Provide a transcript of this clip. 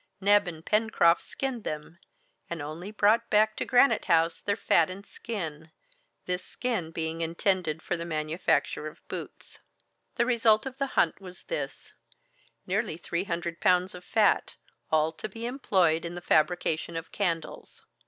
Neb and Pencroft skinned them, and only brought back to Granite House their fat and skin, this skin being intended for the manufacture of boots. The result of the hunt was this: nearly three hundred pounds of fat, all to be employed in the fabrication of candles.